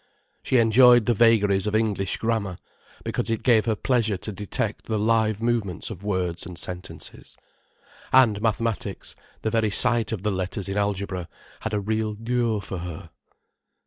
She enjoyed the vagaries of English Grammar, because it gave her pleasure to detect the live movements of words and sentences; and mathematics, the very sight of the letters in Algebra, had a real lure for her.